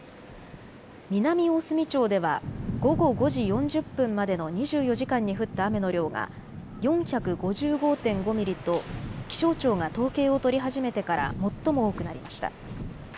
南大隅町では午後５時４０分までの２４時間に降った雨の量が４５５．５ミリと気象庁が統計を取り始めてから最も多くなりました。